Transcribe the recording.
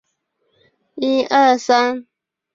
象征主义诗歌的创始人之一。